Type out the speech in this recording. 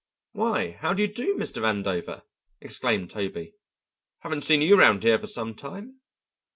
"Why, how do you do, Mr. Vandover?" exclaimed Toby. "Haven't seen you round here for some time."